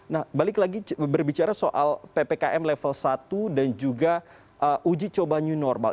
nah balik lagi berbicara soal ppkm level satu dan juga uji coba new normal